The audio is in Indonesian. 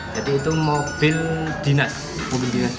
jadi itu mobil dinas